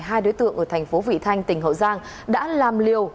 hai đối tượng ở thành phố vị thanh tỉnh hậu giang đã làm liều